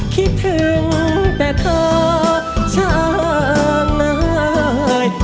คิดถึงแต่เธอช่างไง